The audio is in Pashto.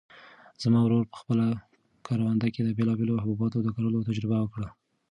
زما ورور په خپله کرونده کې د بېلابېلو حبوباتو د کرلو تجربه وکړه.